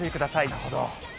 なるほど。